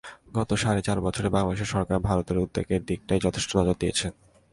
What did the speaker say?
গত সাড়ে চার বছরে বাংলাদেশ সরকার ভারতের উদ্বেগের দিকটায় যথেষ্ট নজর দিয়েছে।